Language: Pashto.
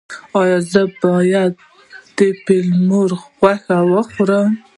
ایا زه باید د فیل مرغ غوښه وخورم؟